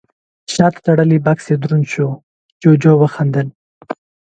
شاته تړلی بکس يې دروند شو، جُوجُو وخندل: